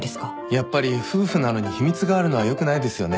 やっぱり夫婦なのに秘密があるのはよくないですよね。